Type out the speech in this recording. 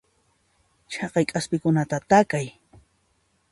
Chaqay k'aspikunata takay.